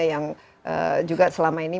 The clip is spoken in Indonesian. yang juga selama ini